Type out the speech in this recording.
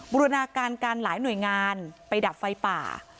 บุรณาการการหลายหน่วยงานไปดับไฟป่า